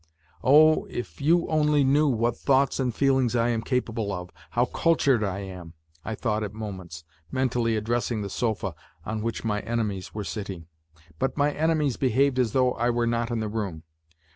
" Oh, if you only knew what thoughts and feelings I am capable of, how cultured I am !" I thought at moments, mentally addressing the sofa on which my enemies were sitting. But my enemies behaved as though I were not in the room.